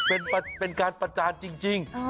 เป็นการประจานจริง